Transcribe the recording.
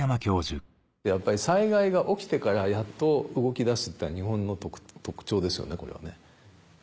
やっぱり災害が起きてからやっと動き出すって日本の特徴ですよねこれはね。